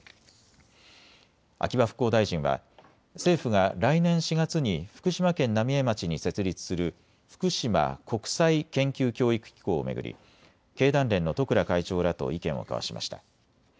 秋葉復興大臣は政府が来年４月に福島県浪江町に設立する福島国際研究教育機構を巡り経団連の十倉会長らと意見を交わしました。